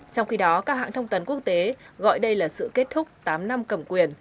trong khi đó các hãng thông tấn quốc tế gọi đây là sự kết thúc tám năm cầm quyền